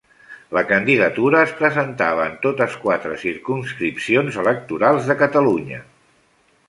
La candidatura es presentava en totes quatre circumscripcions electorals de Catalunya.